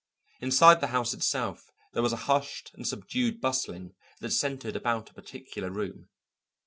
Inside the house itself there was a hushed and subdued bustling that centred about a particular room.